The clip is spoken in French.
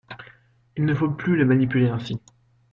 Il ne faut plus les manipuler ainsi.